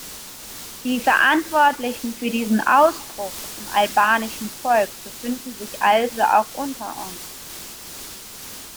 Die Verantwortlichen für diesen Ausbruch im albanischen Volk befinden sich also auch unter uns.